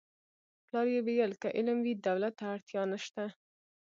پلار یې ویل که علم وي دولت ته اړتیا نشته